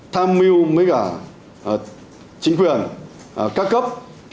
tham mưu với cả chính quyền các cấp